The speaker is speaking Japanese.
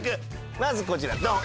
まずこちらドン！